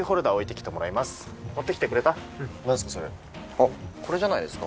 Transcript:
あっこれじゃないですか。